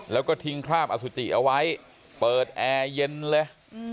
แล้วก็ทิ้งคราบอสุจิเอาไว้เปิดแอร์เย็นเลย